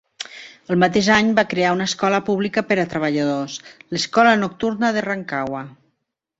El mateix any va crear una escola pública per a treballadors, l'Escola Nocturna de Rancagua.